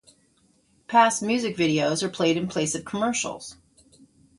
Past Music Videos are played in place of commercials.